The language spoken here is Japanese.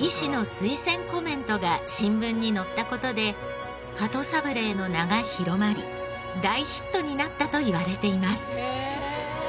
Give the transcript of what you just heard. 医師の推薦コメントが新聞に載った事で鳩サブレーの名が広まり大ヒットになったといわれています。